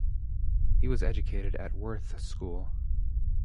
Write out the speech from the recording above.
He was educated at Worth School.